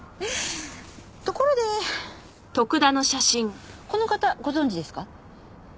ところでこの方ご存じですか？